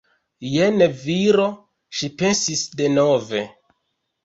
Jen viro, ŝi pensis denove.